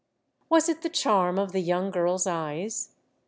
Was it the charm of the young girl's eyes?